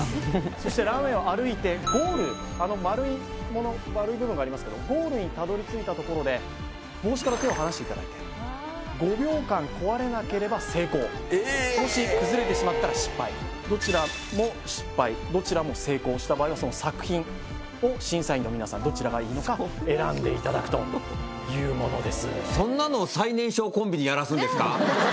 そしてランウェイを歩いてゴールあの丸い部分がありますけどゴールにたどり着いたところでえっもし崩れてしまったら失敗どちらも失敗どちらも成功した場合はその作品を審査員の皆さんどちらがいいのか選んでいただくというものですえっ